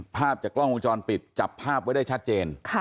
ภาพจากกล้องวงจรปิดจับภาพไว้ได้ชัดเจน